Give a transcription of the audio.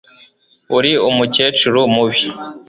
Uri umukecuru mubi